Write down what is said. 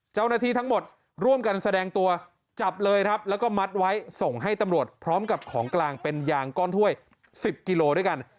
เจ้าหน้าที่ทั้งหมดร่วมกันแสดงตัวจับเลยครับแล้วก็มัดไว้ส่งให้ตำรวจพร้อมกับของกลางเป็นยางก้อนถ้วย๑๐กิโลด้วยกัน